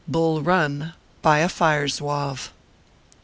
BULL RUN, BY A FIRE ZOUAVE.